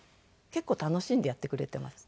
結構楽しんでやってくれてます。